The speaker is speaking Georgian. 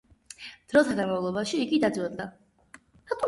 დროთა განმავლობაში იგი დაძველდა.